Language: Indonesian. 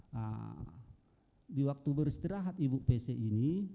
nah di waktu beristirahat ibu pc ini